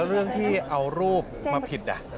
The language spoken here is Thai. เอ๊ะแล้วเรื่องที่เอารูปมาผิด